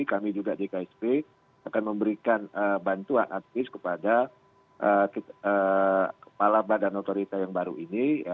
kami juga di ksp akan memberikan bantuan artis kepada kepala badan otorita yang baru ini